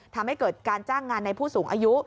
ทำให้เกิดการจ้างงานในผู้สูงอายุ